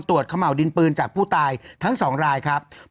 ขม่าวดินปืนจากผู้ตายทั้ง๒รายครับ